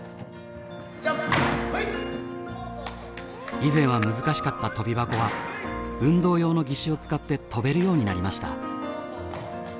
以前は難しかった跳び箱は運動用の義手を使って跳べるようになりました。